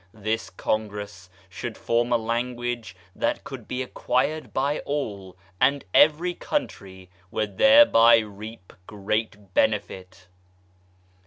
This Congress should form a language that could be acquired by all, and every country would thereby reap great benefit.